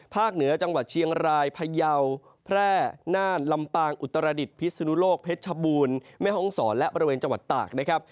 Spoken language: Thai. เหนือจังหวัดเชียงรายพยาวแพร่น่านลำปางอุตรดิษฐพิศนุโลกเพชรชบูรณ์แม่ห้องศรและบริเวณจังหวัดตากนะครับ